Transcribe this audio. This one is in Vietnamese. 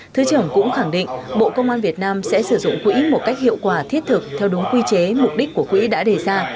thứ trưởng cũng khẳng định bộ công an việt nam sẽ sử dụng quỹ một cách hiệu quả thiết thực theo đúng quy chế mục đích của quỹ đã đề ra